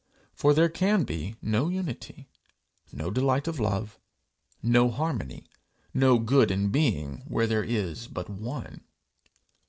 For there can be no unity, no delight of love, no harmony, no good in being, where there is but one.